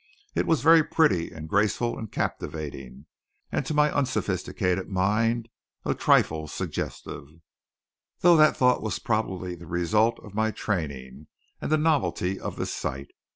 It was very pretty and graceful and captivating; and to my unsophisticated mind a trifle suggestive; though that thought was probably the result of my training and the novelty of the sight.